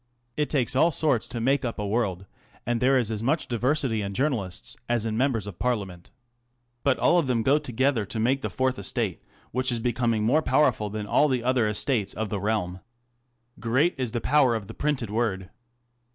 It takes all sorts to make up a world, and there is as much diversity in journalists as in members of Parlia ment. But all of them go together to make the Fourth Estate, which is becoming more powerful than all the other estates of the realm. Great is the power of the printed word.